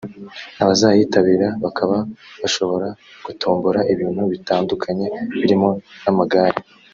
abazayitabira bakaba bashobora gutombora ibintu bitandukanye birimo n’amagare